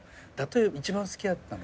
一番好きだったのは？